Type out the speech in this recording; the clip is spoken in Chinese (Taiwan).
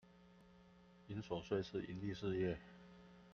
營所稅是營利事業